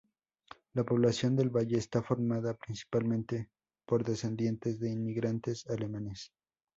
La población del valle está formada principalmente por descendientes de inmigrantes alemanes.